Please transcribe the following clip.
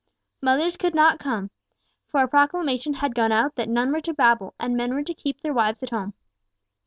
Mothers could not come, for a proclamation had gone out that none were to babble, and men were to keep their wives at home.